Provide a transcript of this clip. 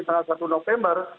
tanggal satu november